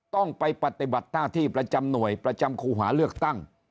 ต้องไปปฏิบัติหน้าที่ประจำหน่วยประจำคู่หาเลือกตั้ง